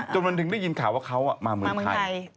จนมันถึงได้ยินข่าวว่าเขามาเมืองไทย